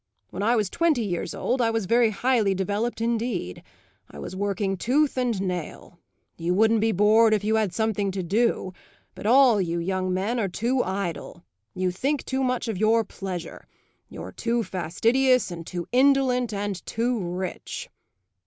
When I was twenty years old I was very highly developed indeed. I was working tooth and nail. You wouldn't be bored if you had something to do; but all you young men are too idle. You think too much of your pleasure. You're too fastidious, and too indolent, and too rich."